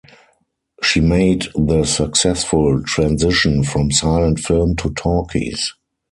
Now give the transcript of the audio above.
She made the successful transition from silent film to talkies.